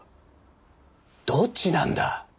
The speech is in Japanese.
どっちなんだ？